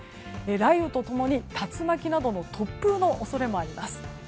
雷雨と共に竜巻などの突風の恐れもあります。